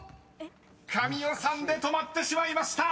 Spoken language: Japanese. ［神尾さんで止まってしまいました！］